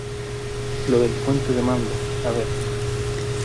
lo del puente de mando. a ver ...